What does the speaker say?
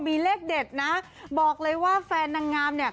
มีเลขเด็ดนะบอกเลยว่าแฟนนางงามเนี่ย